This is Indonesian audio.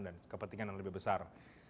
dan kepentingan yang lebih besar